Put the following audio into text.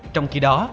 trong khi đó